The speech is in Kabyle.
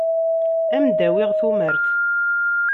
Ad am-d-awiɣ tumert.